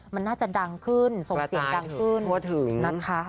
มันน่าจะดังขึ้นส่งเสียงดังขึ้นนะคะ